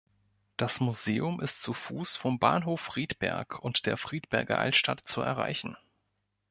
Das Museum ist zu Fuß vom Bahnhof Friedberg und der Friedberger Altstadt zu erreichen.